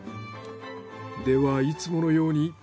ではいつものように。